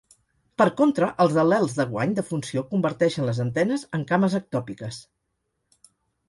Per contra, els al·lels de guany de funció converteixen les antenes en cames ectòpiques.